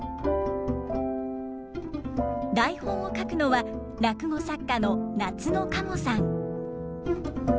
台本を書くのは落語作家のナツノカモさん。